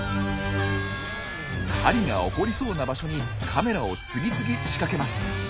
狩りが起こりそうな場所にカメラを次々仕掛けます。